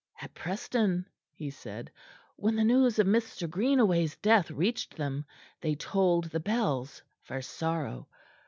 "At Preston," he said, "when the news of Mr. Greenaway's death reached them, they tolled the bells for sorrow.